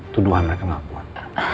tuduhan mereka gak kuat